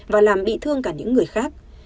và làm bị thương cả những người khác